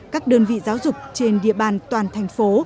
các đơn vị giáo dục trên địa bàn toàn thành phố